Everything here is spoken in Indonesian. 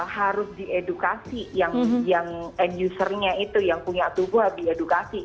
harus diedukasi yang end usernya itu yang punya tubuh harus diedukasi